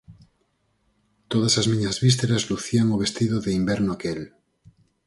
Todas as miñas vísceras lucían o vestido de inverno aquel.